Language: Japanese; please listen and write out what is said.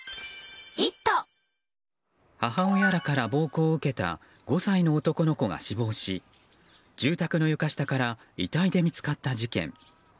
母親らから暴行を受けた５歳の男の子が死亡し住宅の床下から遺体で見つかった事件。